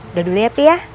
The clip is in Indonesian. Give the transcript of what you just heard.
udah dulu ya pi ya